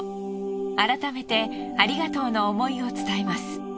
改めてありがとうの思いを伝えます。